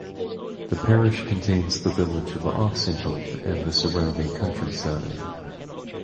The parish contains the village of Oxenhope and the surrounding countryside.